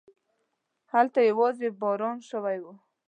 هلته يواځې باران شوی و.